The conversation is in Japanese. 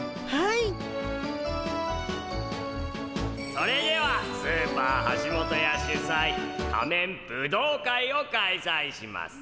それではスーパーはしもとや主催仮面ブドウ会を開催します。